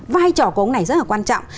vai trò của ông này rất là quan trọng